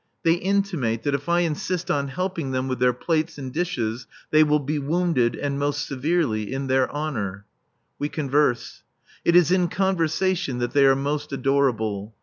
They intimate that if I insist on helping them with their plates and dishes they will be wounded, and more severely, in their honour. We converse. It is in conversation that they are most adorable.